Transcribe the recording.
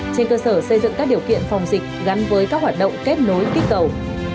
trên cơ sở xây dựng các điều kiện phòng dịch gắn với các hoạt động kết nối kích cầu